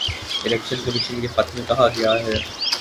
election commission کے خط میں کہا گیا ہے